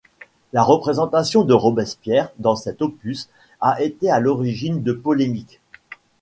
La représentation de Robespierre dans cet opus a été à l'origine de polémiques.